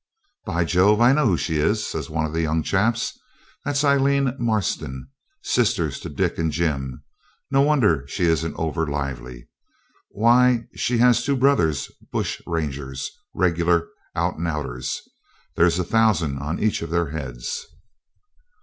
'By Jove! I know who she is,' says one of the young chaps. 'That's Aileen Marston, sister to Dick and Jim. No wonder she isn't over lively. Why, she has two brothers bush rangers, regular out and outers. There's a thousand on each of their heads.'